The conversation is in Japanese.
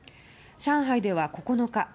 上海では９日